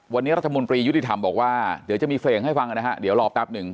วันนี้รัฐมนตรียุติธรรมบอกว่าเดี๋ยวจะมีเพลงให้ฟังนะฮะเดี๋ยวรอแป๊บหนึ่ง